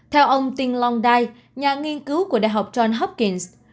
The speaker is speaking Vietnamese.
theo ông tinglong dai nhà nghiên cứu của đại học johns hopkins